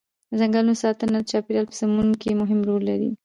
د ځنګلونو ساتنه د چاپیریال په سمون کې مهم رول لري.